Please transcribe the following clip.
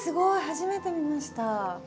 初めて見ました。